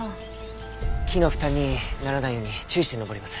木の負担にならないように注意して登ります。